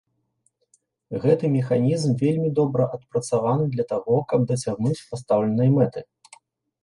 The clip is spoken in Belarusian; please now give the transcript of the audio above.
Гэты механізм вельмі добра адпрацаваны для таго, каб дасягнуць пастаўленай мэты.